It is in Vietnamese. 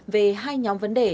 về hai nhóm vấn đề